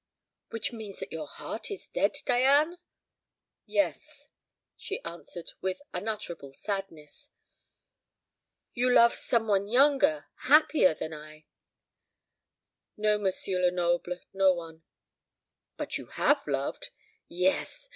"Which means that your heart is dead, Diane?" "Yes," she answered, with unutterable sadness. "You love some one younger, happier than I?" "No, M. Lenoble, no one." "But you have loved? Yes!